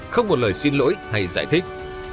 không một lời xin lỗi hay giải thích